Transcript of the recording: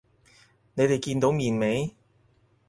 你哋見到面未？